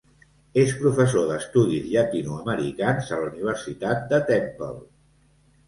És professor d'estudis llatinoamericans a la Universitat de Temple.